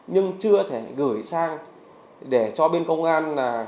nhưng chưa thể gửi sang để cho bên công an là